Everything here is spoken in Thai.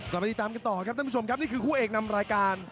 กลับมาติดตามกันต่อครับท่านผู้ชมครับนี่คือคู่เอกนำรายการ